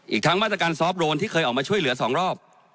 อีกทั้งมาตรการซอฟต์โรนที่เคยออกมาช่วยเหลือ๒รอบ